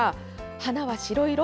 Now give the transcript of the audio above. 花は白色。